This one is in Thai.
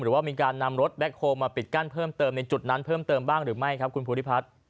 หรือว่ามีการนำรถแบ็คโฮลมาปิดกั้นเพิ่มเติมในจุดนั้นเพิ่มเติมบ้างหรือไม่ครับคุณภูริพัฒน์